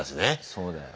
そうだよ。